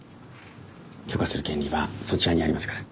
許可する権利はそちらにありますから。